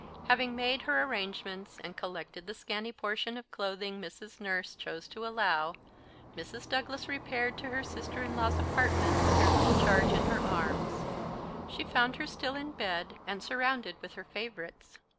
Having made her arrangements, and collected the scanty portion of clothing Mrs. Nurse chose to allow, Mrs. Douglas repaired to her sister in law's apartment, with her little charge in her arms. She found her still in bed, and surrounded with her favourites.